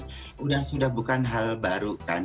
sudah sudah bukan hal baru kan